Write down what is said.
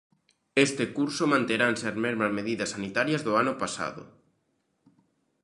Este curso manteranse as mesmas medidas sanitarias do ano pasado.